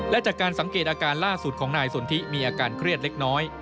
และจากการสังเกตอาการล่าสุดของนายสนทิมีอาการเครียดเล็กน้อย